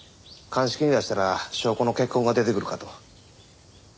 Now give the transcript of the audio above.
鑑識に出したら証拠の血痕が出てくるかと。